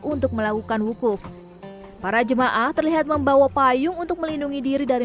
untuk melakukan wukuf para jemaah terlihat membawa payung untuk melindungi diri dari